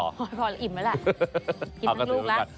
พออิ่มแล้วแหละกินทั้งลูกแล้ว